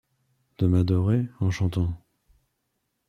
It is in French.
De m’adorer en chantant